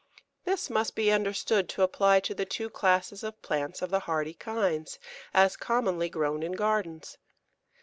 This must be understood to apply to the two classes of plants of the hardy kinds, as commonly grown in gardens.